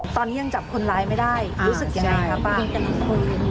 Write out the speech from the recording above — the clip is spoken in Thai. ตอนนี้ยังจับคนร้ายไม่ได้อ่าใช่รู้สึกยังไงครับป่าว